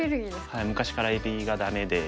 はい昔からえびがダメで。